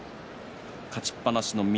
勝ちっぱなしの翠